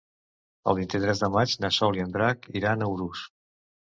El vint-i-tres de maig na Sol i en Drac iran a Urús.